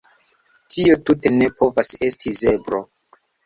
Tio tute ne povas esti zebro